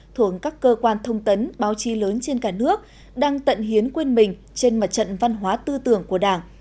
thuộc các cơ quan thông tấn báo chí lớn trên cả nước đang tận hiến quên mình trên mặt trận văn hóa tư tưởng của đảng